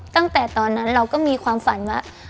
ตั้งแต่ตอนนั้นเราก็มีความฝันว่า